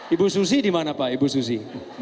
ibu susi dimana pak ibu susi